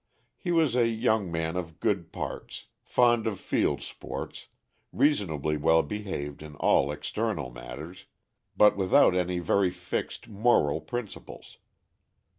He was a young man of good parts, fond of field sports, reasonably well behaved in all external matters, but without any very fixed moral principles.